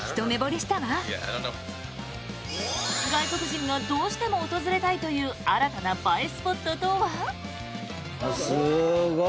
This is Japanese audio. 外国人がどうしても訪れたいという新たな映えスポットとは？